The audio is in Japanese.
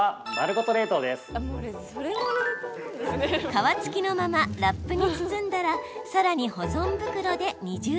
皮付きのままラップに包んだらさらに保存袋で二重包み。